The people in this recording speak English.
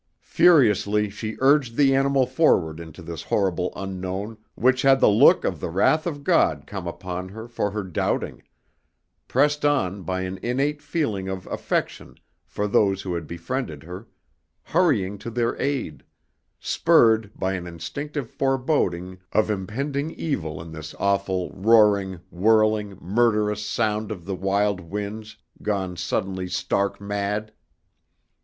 Furiously she urged the animal forward into this horrible unknown which had the look of the wrath of God come upon her for her doubting, pressed on by an innate feeling of affection for those two who had befriended her, hurrying to their aid, spurred by an instinctive foreboding of impending evil in this awful roaring, whirling, murderous sound of the wild winds gone suddenly stark mad.